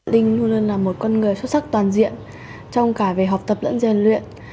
linh luôn luôn là một con người xuất sắc toàn diện trong cả về học tập lẫn gian luyện